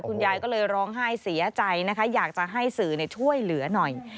คุณยายก็เลยร้องไห้เสียใจนะคะอยากจะให้สื่อช่วยเหลือหน่อย